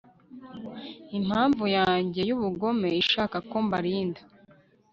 Impamvu yanjye yubugome ishaka ko mbarinda